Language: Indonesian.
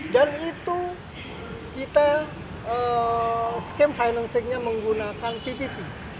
dan itu kita scheme financingnya menggunakan ppp